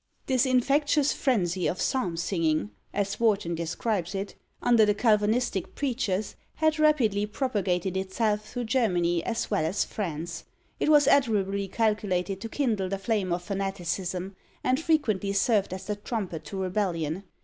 "This infectious frenzy of psalm singing," as Warton describes it, "under the Calvinistic preachers, had rapidly propagated itself through Germany as well as France. It was admirably calculated to kindle the flame of fanaticism, and frequently served as the trumpet to rebellion.